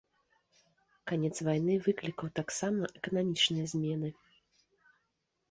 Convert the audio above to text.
Канец вайны выклікаў таксама эканамічныя змены.